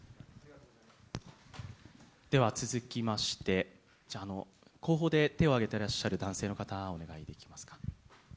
では続きまして、じゃあ、後方で手を挙げてらっしゃる男性の方、お願いできますか。